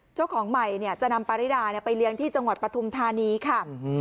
เจ้าของใหม่จะนำปาริดาไปเลี้ยงที่จังหวัดปฐุมธานีค่ะ